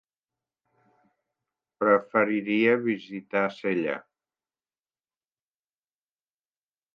Preferiria visitar Sella.